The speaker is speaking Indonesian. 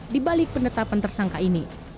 di balik penetapan tersangka ini